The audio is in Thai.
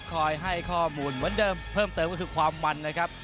คอยให้ข้อมูลเหมือนเดิมเพิ่มเติมก็คือความมันนะครับ